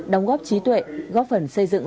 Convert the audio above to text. đóng góp trí tuệ góp phần xây dựng